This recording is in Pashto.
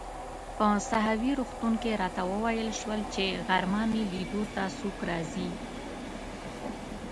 په ساحوي روغتون کې راته وویل شول چي غرمه مې لیدو ته څوک راځي.